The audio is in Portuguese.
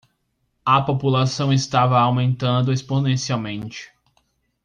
A população estava aumentando exponencialmente.